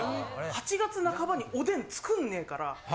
８月半ばにおでん作んねえから。